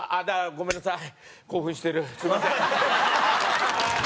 ごめんなさい。